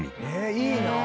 いいなあ！